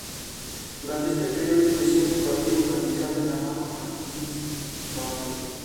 Durante este periodo, ingresó en el Partido Radical de la mano de Martínez Barrio.